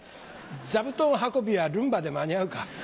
座布団運びはルンバで間に合うか。